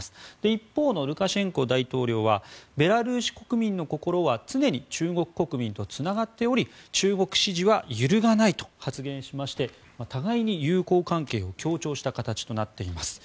一方のルカシェンコ大統領はベラルーシ国民の心は常に中国国民とつながっており中国支持は揺るがないと発言しまして互いに友好関係を強調した形となっています。